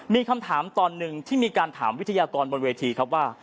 มีคำถามตอนหนึ่งที่มีการถามวิทยากรบนเวทีครับว่า